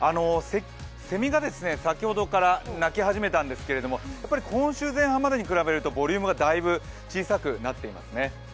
セミが先ほどから鳴き始めたんですがやっぱり今週前半までに比べるとボリュームがだいぶ小さくなってますね。